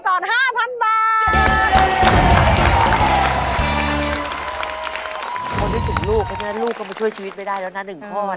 เขานึกถึงลูกเพราะฉะนั้นลูกก็มาช่วยชีวิตไม่ได้แล้วนะ๑ข้อ